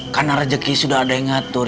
karena rejeki sudah ada yang ngatur